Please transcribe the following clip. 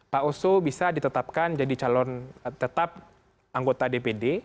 pak oso bisa ditetapkan jadi calon tetap anggota dpd